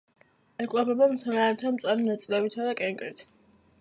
იკვებება მცენარეთა მწვანე ნაწილებითა და კენკრით.